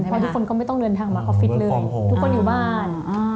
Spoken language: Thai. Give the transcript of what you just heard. เพราะทุกคนก็ไม่ต้องเดินทางมาออฟฟิศเลยทุกคนอยู่บ้าน